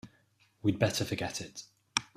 We'd better forget it.